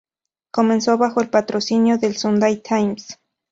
Comenzó bajo el patrocinio del "Sunday Times".